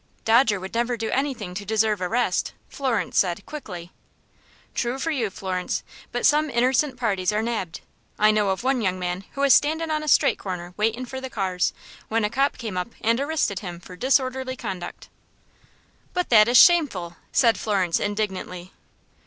"Dodger would never do anything to deserve arrest," Florence said, quickly. "Thrue for you, Florence, but some innersent parties are nabbed. I know of one young man who was standin' on a strate corner waitin' for the cars, when a cop came up and arristed him for disorderly conduct." "But that is shameful!" said Florence, indignantly.